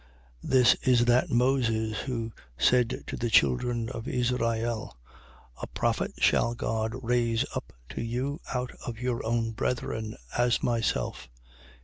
7:37. This is that Moses who said to the children of Israel: A prophet shall God raise up to you of your own brethren, as myself.